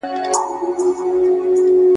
چي اسمان ته پورته کېږي له غروره ..